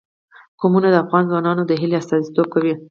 قومونه د افغان ځوانانو د هیلو استازیتوب کوي.